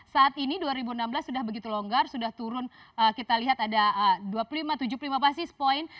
saat ini dua ribu enam belas sudah begitu longgar sudah turun kita lihat ada dua puluh lima tujuh puluh lima basis point